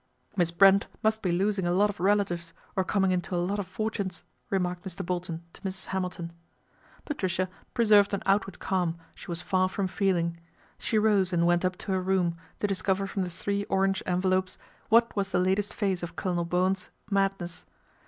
" Miss Brent must be losing a lot of relatives, or coming into a lot of fortunes," remarked Mr. Bolton to Mrs. Hamilton. Patricia preserved an outward calm she was far from feeling. She rose and went up to her room to discover from the three orange envelopes what was the latest phase of Colonel Bowen's madness.